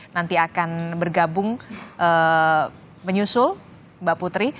nanti akan bergabung menyusul mbak putri